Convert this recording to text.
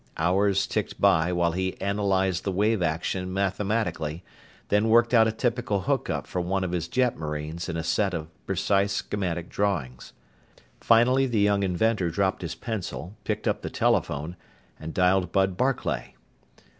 Hours ticked by while he analyzed the wave action mathematically, then worked out a typical hookup for one of his jetmarines in a set of precise schematic drawings. Finally the young inventor dropped his pencil, picked up the telephone, and dialed Bud Barclay.